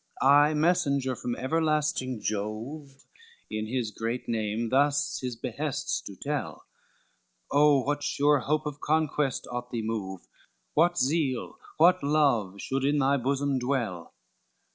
XVII "I, messenger from everlasting Jove, In his great name thus his behests do tell; Oh, what sure hope of conquest ought thee move, What zeal, what love should in thy bosom dwell!"